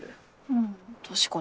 うん確かに。